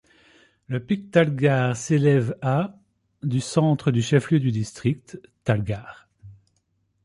Le pic Talgar s'élève à du centre du chef-lieu du district, Talgar.